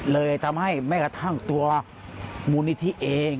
เลยทำให้แม้กระทั่งตัวมูลนิธิเอง